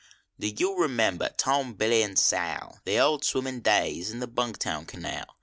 Do you remember Tom, Billy, and Sal. The old swimmin days in the Bungtown canal?